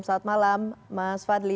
selamat malam mas fadli